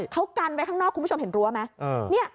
เขากันไว้ข้างนอกคุณผู้ชมเห็นรั้วไหม